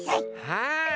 はい！